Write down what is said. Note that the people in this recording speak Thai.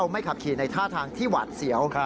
ไม่ขับขี่ในท่าทางที่หวาดเสียว